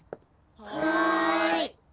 はい。